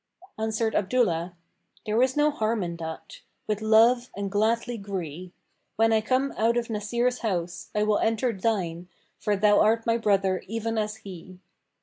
Answered Abdullah, "There is no harm in that: with love and gladly gree! When I come out from Nasir's house, I will enter thine, for thou art my brother even as he."